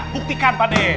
buktikan pak de